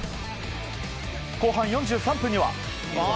後半４３分には。